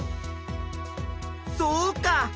そうか！